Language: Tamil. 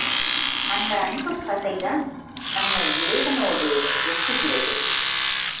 அந்த அன்புப் பசைதான் நம்மை இறைவனோடு ஒட்டுகிறது.